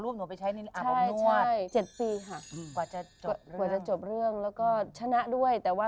รูปหนูไปใช้นินาคมนวด๗ปีกว่าจะจบเรื่องแล้วก็ชนะด้วยแต่ว่า